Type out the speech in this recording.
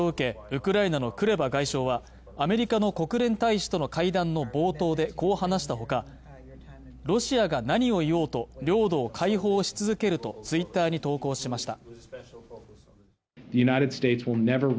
ウクライナのクレバ外相はアメリカの国連大使との会談の冒頭でこう話したほかロシアが何を言おうと領土を解放し続けるとツイッターに投稿しました